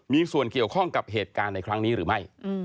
มีส่วนเกี่ยวข้องกับเหตุการณ์ในครั้งนี้หรือไม่